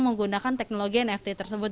menggunakan teknologi nft tersebut